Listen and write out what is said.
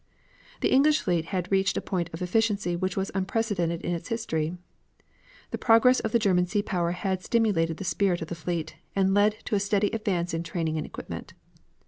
The English fleet had reached a point of efficiency which was unprecedented in its history. The progress of the German sea power had stimulated the spirit of the fleet, and led to a steady advance in training and equipment.